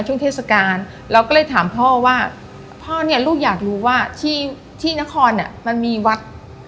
เทศกาลเราก็เลยถามพ่อว่าพ่อเนี่ยลูกอยากรู้ว่าที่นครเนี่ยมันมีวัด